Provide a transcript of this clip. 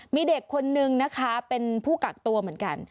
มีเด็กคนนึงนะคะเป็นผู้กักตัวเหมือนกัน